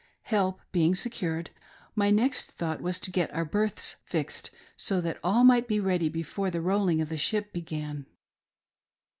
Help bemg se cured, my next thought was to get our berths fixed, so that all might be ready before the rolling of the ship began.